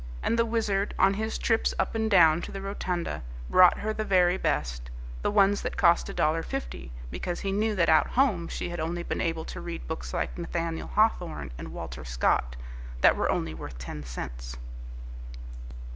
And the Wizard on his trips up and down to the rotunda brought her the very best, the ones that cost a dollar fifty, because he knew that out home she had only been able to read books like Nathaniel Hawthorne and Walter Scott, that were only worth ten cents.